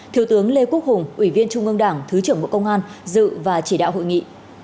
thiếu tướng lê quốc hùng ủy viên trung ương đảng thứ trưởng bộ công an dự và chỉ đạo hội nghị